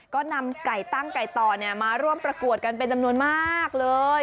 ก็นำไก่ตั้งไก่ต่อมาร่วมประกวดกันเป็นจำนวนมากเลย